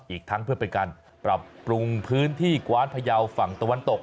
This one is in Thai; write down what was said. อีกทั้งเพื่อเป็นการปรับปรุงพื้นที่กว้านพยาวฝั่งตะวันตก